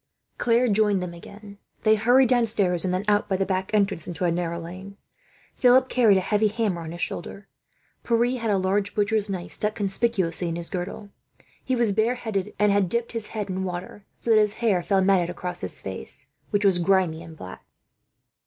Claire joined them again. They hurried downstairs, and then out by the back entrance into a narrow lane. Philip carried a heavy hammer on his shoulder. Pierre had a large butcher's knife stuck conspicuously in his girdle. He was bare headed and had dipped his head in water, so that his hair fell matted across his face, which was grimy and black.